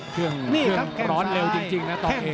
เครื่องร้อนเร็วจริงนะตอนนี้